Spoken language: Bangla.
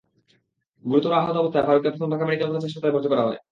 গুরুতর আহত অবস্থায় ফারুককে প্রথমে ঢাকা মেডিকেল কলেজ হাসপাতালে ভর্তি করা হয়।